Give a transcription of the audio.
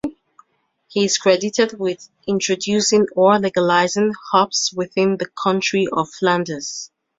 He is credited with introducing, or legalising, hops within the County of Flanders.